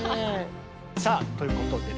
さあということでですね